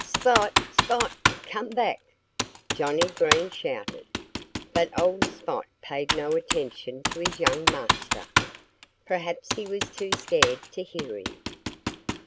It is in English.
"Spot! Spot! Come back!" Johnnie Green shouted. But old Spot paid no attention to his young master. Perhaps he was too scared to hear him.